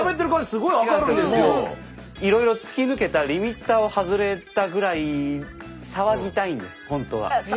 いろいろ突き抜けたリミッターを外れたぐらい騒ぎたいんですほんとは。